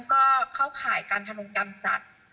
ก็เข้าข่ายการธนงกรรมสัตว์